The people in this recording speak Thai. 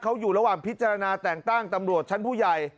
เขาอยู่ระหว่างพิจารณาแต่งตั้งตำรวจชั้นผู้ใหญ่